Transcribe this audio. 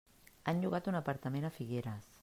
Han llogat un apartament a Figueres.